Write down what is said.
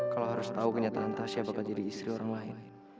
kalau harus tau kenyataan tasya bakal jadi istri orang lain